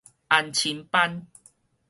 安親班